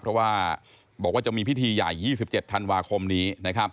เพราะว่าบอกว่าจะมีพิธีใหญ่๒๗ธันวาคมนี้